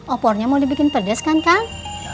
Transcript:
opornya mau dibikin pedas kan kang